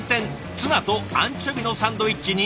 ツナとアンチョビのサンドイッチに。